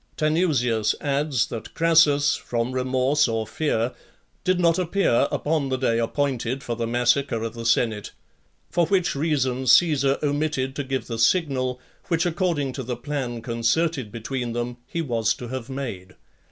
Tanusius adds, that Crassus, from remorse or fear, did not appear upon the day appointed for the massacre of the senate; for which reason Caesar omitted to give the signal, which, according to the plan concerted between them, he was to have made.